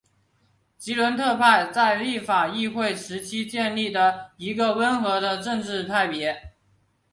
吉伦特派是在立法议会时期建立的一个温和的政治派别。